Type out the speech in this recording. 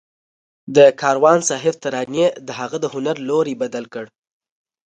د کاروان صاحب ترانې د هغه د هنر لوری بدل کړ